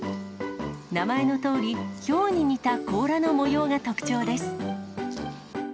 名前のとおり、ヒョウに似た甲羅の模様が特徴です。